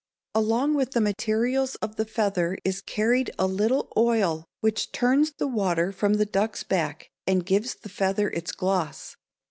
Along with the materials of the feather is carried a little oil which turns the water from the duck's back and gives the feather its gloss.